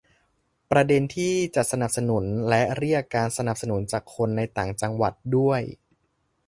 ประเด็นที่จะสนับสนุนและเรียกการสนับสนุนจากคนในต่างจังหวัดด้วย